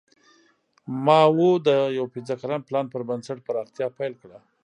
ماوو د یو پنځه کلن پلان پر بنسټ پراختیا پیل کړه.